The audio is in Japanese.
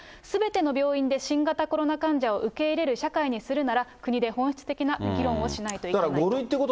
すべての病院で新型コロナ患者を受け入れる社会にするなら、国で本質的な議論をしないといけないと。